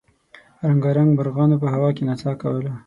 رنګارنګ مرغانو په هوا کې نڅا کوله.